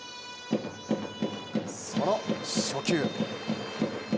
その初球。